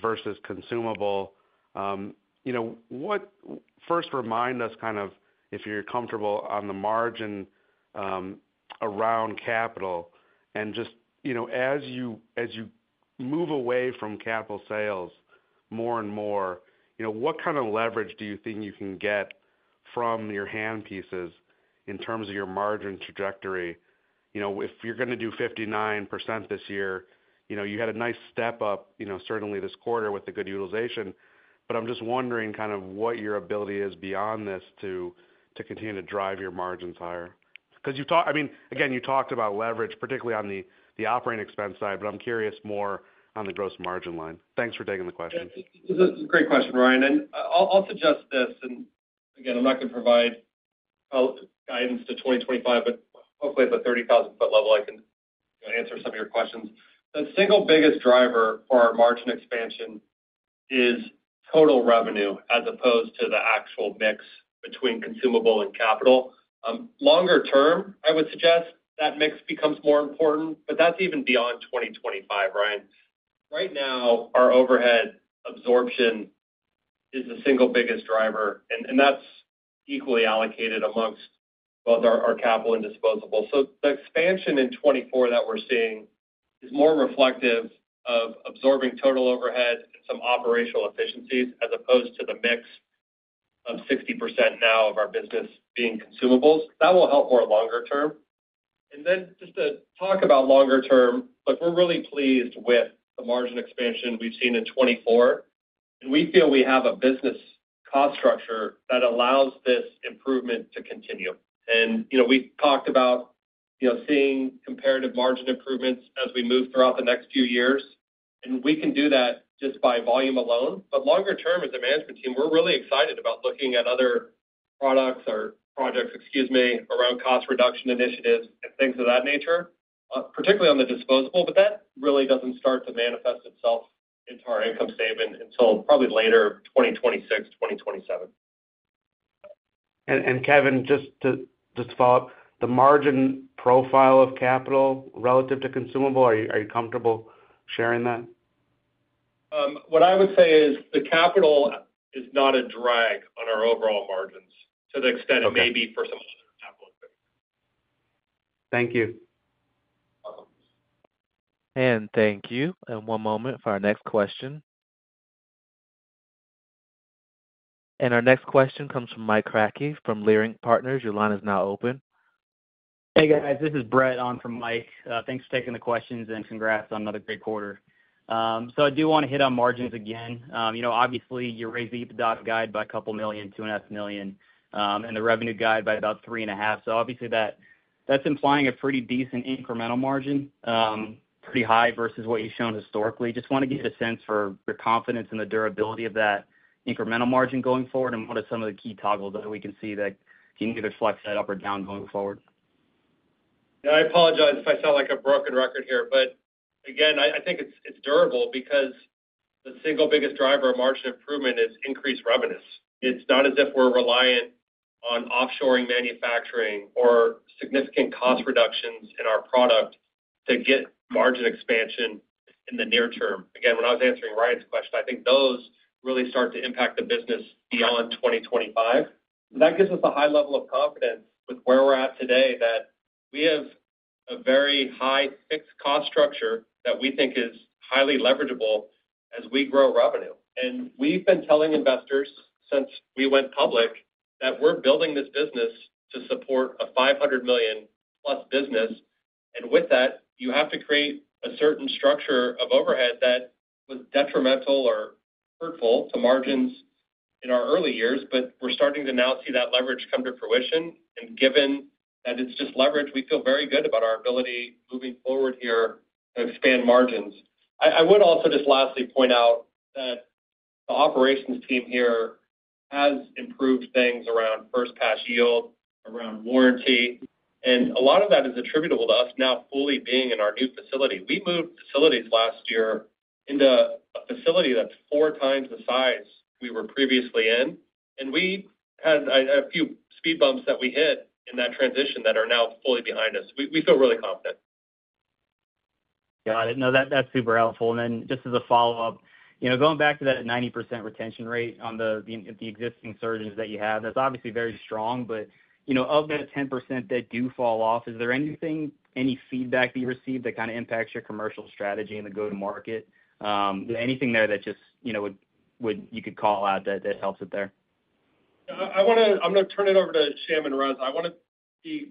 versus consumable, first, remind us kind of, if you're comfortable on the margin around capital. And just as you move away from capital sales more and more, what kind of leverage do you think you can get from your handpieces in terms of your margin trajectory? If you're going to do 59% this year, you had a nice step up, certainly this quarter with the good utilization. But I'm just wondering kind of what your ability is beyond this to continue to drive your margins higher. Because I mean, again, you talked about leverage, particularly on the operating expense side, but I'm curious more on the gross margin line. Thanks for taking the question. This is a great question, Ryan. I'll suggest this. And again, I'm not going to provide guidance to 2025, but hopefully, at the 30,000-foot level, I can answer some of your questions. The single biggest driver for our margin expansion is total revenue as opposed to the actual mix between consumable and capital. Longer term, I would suggest that mix becomes more important, but that's even beyond 2025, Ryan. Right now, our overhead absorption is the single biggest driver. And that's equally allocated amongst both our capital and disposable. So the expansion in 2024 that we're seeing is more reflective of absorbing total overhead and some operational efficiencies as opposed to the mix of 60% now of our business being consumables. That will help more longer term. And then just to talk about longer term, look, we're really pleased with the margin expansion we've seen in 2024. And we feel we have a business cost structure that allows this improvement to continue. And we've talked about seeing comparative margin improvements as we move throughout the next few years. And we can do that just by volume alone. But longer term, as a management team, we're really excited about looking at other products or projects, excuse me, around cost reduction initiatives and things of that nature, particularly on the disposable. But that really doesn't start to manifest itself into our income statement until probably later 2026, 2027. And Kevin, just to follow up, the margin profile of capital relative to consumable, are you comfortable sharing that? What I would say is the capital is not a drag on our overall margins to the extent it may be for some other capital investments. Thank you. Awesome. And thank you. And one moment for our next question. And our next question comes from Mike Kratky from Leerink Partners. Your line is now open. Hey, guys. This is Brett on for Mike. Thanks for taking the questions and congrats on another great quarter. So I do want to hit on margins again. Obviously, you're raising the EBITDA guide by $2 million to $8 million, and the revenue guide by about $3.5 million. So obviously, that's implying a pretty decent incremental margin, pretty high versus what you've shown historically. Just want to get a sense for your confidence in the durability of that incremental margin going forward and what are some of the key toggles that we can see that can either flex that up or down going forward? Yeah. I apologize if I sound like a broken record here. But again, I think it's durable because the single biggest driver of margin improvement is increased revenues. It's not as if we're reliant on offshoring manufacturing or significant cost reductions in our product to get margin expansion in the near term. Again, when I was answering Ryan's question, I think those really start to impact the business beyond 2025. So that gives us a high level of confidence with where we're at today that we have a very high fixed cost structure that we think is highly leverageable as we grow revenue. And we've been telling investors since we went public that we're building this business to support a $500 million-plus business. And with that, you have to create a certain structure of overhead that was detrimental or hurtful to margins in our early years. But we're starting to now see that leverage come to fruition. And given that it's just leverage, we feel very good about our ability moving forward here to expand margins. I would also just lastly point out that the operations team here has improved things around first-pass yield, around warranty. And a lot of that is attributable to us now fully being in our new facility. We moved facilities last year into a facility that's four times the size we were previously in. We had a few speed bumps that we hit in that transition that are now fully behind us. We feel really confident. Got it. No, that's super helpful. Then just as a follow-up, going back to that 90% retention rate on the existing surgeons that you have, that's obviously very strong. But of that 10% that do fall off, is there any feedback that you received that kind of impacts your commercial strategy and the go-to-market? Anything there that just you could call out that helps it there? I'm going to turn it over to Sham and Rez. I want to be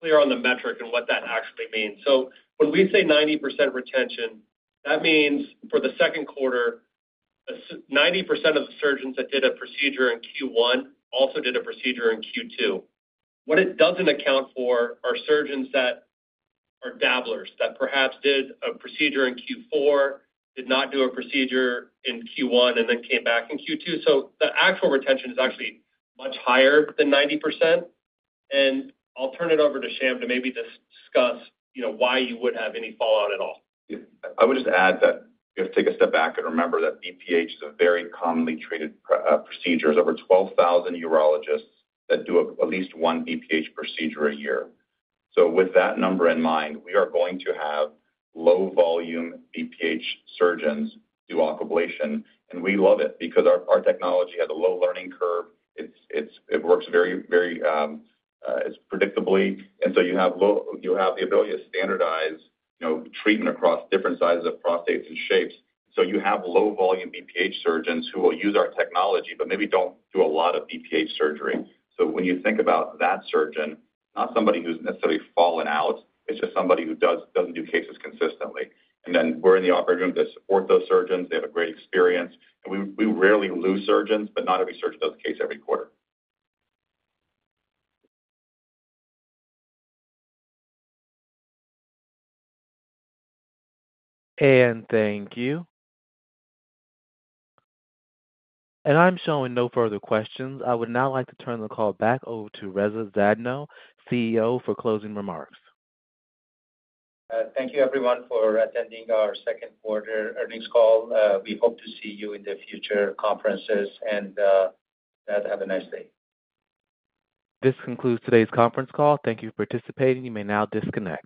clear on the metric and what that actually means. So when we say 90% retention, that means for the second quarter, 90% of the surgeons that did a procedure in Q1 also did a procedure in Q2. What it doesn't account for are surgeons that are dabblers, that perhaps did a procedure in Q4, did not do a procedure in Q1, and then came back in Q2. So the actual retention is actually much higher than 90%. And I'll turn it over to Sham to maybe discuss why you would have any fallout at all. I would just add that you have to take a step back and remember that BPH is a very commonly treated procedure. There's over 12,000 urologists that do at least one BPH procedure a year. So with that number in mind, we are going to have low-volume BPH surgeons do Aquablation. And we love it because our technology has a low learning curve. It works very, very predictably. And so you have the ability to standardize treatment across different sizes of prostates and shapes. So you have low-volume BPH surgeons who will use our technology but maybe don't do a lot of BPH surgery. So when you think about that surgeon, not somebody who's necessarily fallen out, it's just somebody who doesn't do cases consistently. And then we're in the operating room to support those surgeons. They have a great experience. And we rarely lose surgeons, but not every surgeon does a case every quarter. And thank you. And I'm showing no further questions. I would now like to turn the call back over to Reza Zadno, CEO, for closing remarks. Thank you, everyone, for attending our second quarter earnings call. We hope to see you in the future conferences. And have a nice day. This concludes today's conference call. Thank you for participating. You may now disconnect.